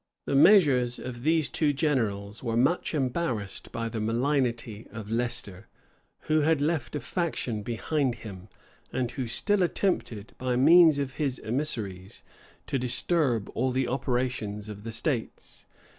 The measures of these two generals were much embarrassed by the malignity of Leicester, who had left a faction behind him, and who still attempted, by means of his emissaries, to disturb all the operations of the states.